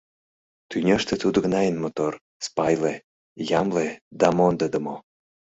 Тӱняште тудо гына эн мотор, спайле, ямле да мондыдымо.